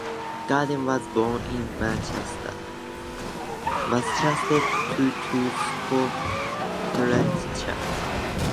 Grayden was born in Manchester, Massachusetts to two schoolteachers.